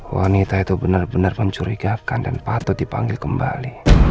wanita itu bener bener mencurigakan dan patut dipanggil kembali